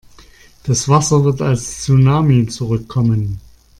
Das Wasser wird als Tsunami zurückkommen.